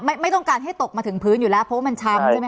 ไม่ต้องการให้ตกมาถึงพื้นอยู่แล้วเพราะว่ามันช้ำใช่ไหม